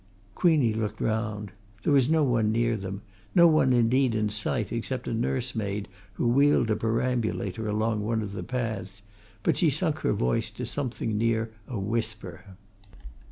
Queenie looked round. There was no one near them, no one indeed in sight, except a nursemaid who wheeled a perambulator along one of the paths, but she sunk her voice to something near a whisper.